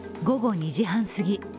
午後２時半すぎ